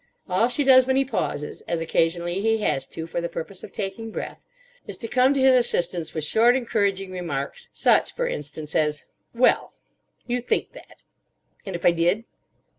All she does when he pauses, as occasionally he has to for the purpose of taking breath, is to come to his assistance with short encouraging remarks, such, for instance, as: "Well." "You think that." "And if I did?"